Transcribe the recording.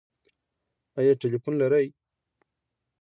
ایا ټیلیفون لرئ؟